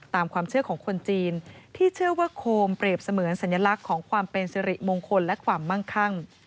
ตามความเชื่อของคนจีนที่เชื่อว่าโคมเปรียบเสมือนสัญลักษณ์ของความเป็นสิริมงคลและความมั่งคั่ง